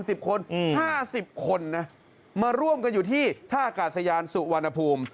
สิบคนอืมห้าสิบคนนะมาร่วมกันอยู่ที่ท่าอากาศยานสุวรรณภูมิ